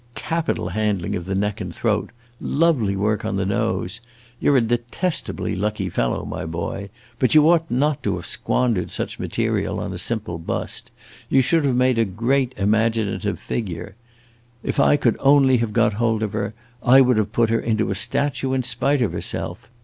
"Capital handling of the neck and throat; lovely work on the nose. You 're a detestably lucky fellow, my boy! But you ought not to have squandered such material on a simple bust; you should have made a great imaginative figure. If I could only have got hold of her, I would have put her into a statue in spite of herself.